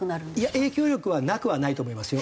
影響力はなくはないと思いますよ